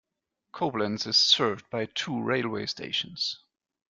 Koblenz is served by two railway stations.